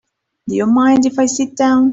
Do you mind if I sit down?